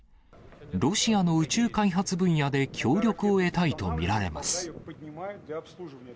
ロシアの宇宙開発分野で協力を得たいと見られます。